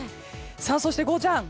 そして、ゴーちゃん。